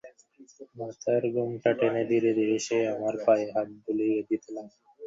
মাথায় ঘোমটা টেনে ধীরে ধীরে সে আমার পায়ে হাত বুলিয়ে দিতে লাগল।